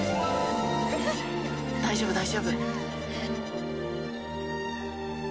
大丈夫大丈夫。